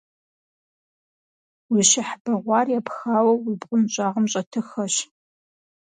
Уи щыхь бэгъуар епхауэ уи бгъуэнщӀагъым щӀэтыххэщ.